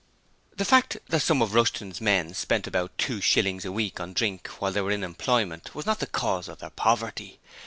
The fact that some of Rushton's men spent about two shillings a week on drink while they were in employment was not the cause of their poverty.